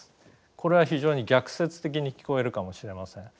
これは非常に逆説的に聞こえるかもしれません。